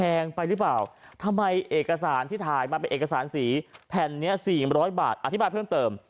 เอกสารที่ถ่ายมาเป็นเอกสารสีแผ่นเนี้ยสี่อันบร้อยบาทอธิบายเพิ่มเติม